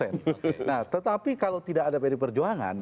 nah tetapi kalau tidak ada pd perjuangan